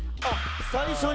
最初に？